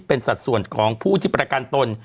เป็นสัดส่วนของผู้ที่ประกันตน